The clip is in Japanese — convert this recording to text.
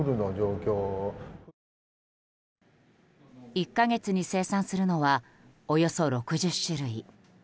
１か月に生産するのはおよそ６０種類。